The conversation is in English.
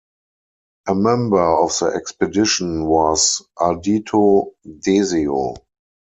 A member of the expedition was Ardito Desio.